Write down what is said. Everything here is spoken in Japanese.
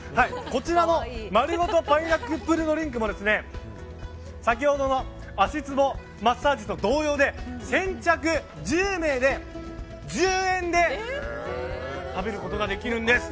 こちらの丸ごとパイナップルドリンクも先ほどの足つぼマッサージと同様で先着１０名で１０円で食べることができるんです。